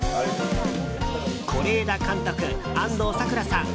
是枝監督、安藤サクラさん